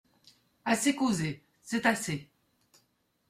Assez causé ! c’est assez !